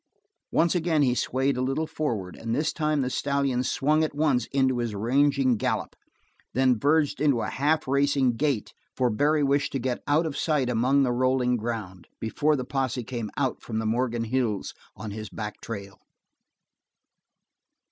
Once again he swayed a little forward and this time the stallion swung at once into his ranging gallop, then verged into a half racing gait, for Barry wished to get out of sight among the rolling ground before the posse came out from the Morgan Hills on his back trail.